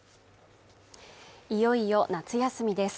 いよいよ夏休みです